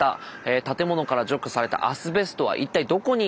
建物から除去されたアスベストは一体どこに行くのか？